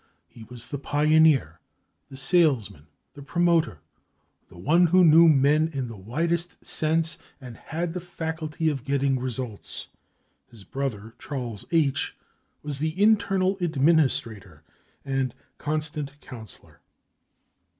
He was the pioneer, the salesman, the promoter, the one who knew men in the widest sense and had the faculty of getting results. His brother, Charles H., was the internal administrator and constant counselor.